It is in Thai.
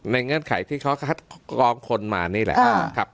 เงื่อนไขที่เขาคัดกรองคนมานี่แหละครับ